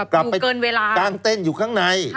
กลับไปกลางเต้นอยู่ข้างใน